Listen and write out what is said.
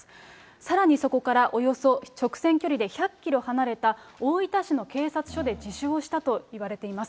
さらにそこからおよそ直線距離で１００キロ離れた大分市の警察署に自首したと見られています。